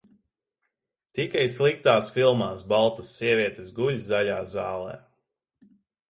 Tikai sliktās filmās baltas sievietes guļ zaļā zālē.